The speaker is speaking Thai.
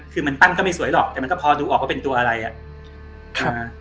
คือมันปั้นก็ไม่สวยหรอกแต่มันก็พอดูออกว่าเป็นตัวอะไรอ่ะใช่ไหม